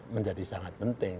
menjadi sangat penting